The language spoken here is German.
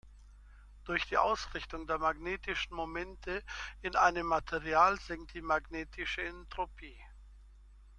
Durch die Ausrichtung der magnetischen Momente in einem Material sinkt die magnetische Entropie.